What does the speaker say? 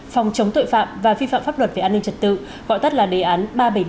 phòng chống tội phạm và vi phạm pháp luật về an ninh trật tự gọi tắt là đề án ba trăm bảy mươi một